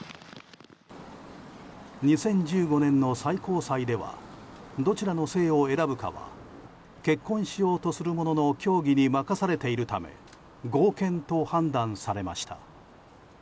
２０１５年の最高裁ではどちらの姓を選ぶかは結婚しようとする者の協議に任されているため合憲と判断されました。